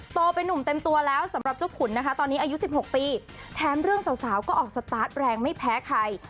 โตเป็นนุ่มเต็มตัวแล้วสำหรับเจ้าขุนนะคะตอนนี้อายุ๑๖ปีแถมเรื่องสาวก็ออกสตาร์ทแรงไม่แพ้ใคร